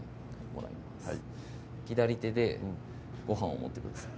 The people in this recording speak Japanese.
はい左手でご飯を持ってください